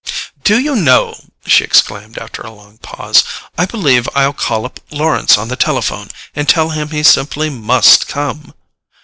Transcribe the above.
"Do you know," she exclaimed after a long pause, "I believe I'll call up Lawrence on the telephone and tell him he simply MUST come?"